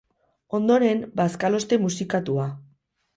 Ondoren, bazkaloste musikatua.